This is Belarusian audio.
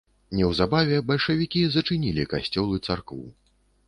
Неўзабаве бальшавікі зачынілі касцёл і царкву.